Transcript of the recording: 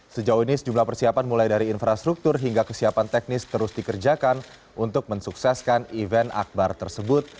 sejauh ini sejumlah persiapan mulai dari infrastruktur hingga kesiapan teknis terus dikerjakan untuk mensukseskan event akbar tersebut